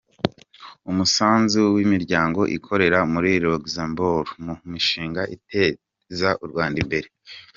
Umusanzu w’imiryango ikorera muri Luxembourg mu mishinga iteza u Rwanda imbere.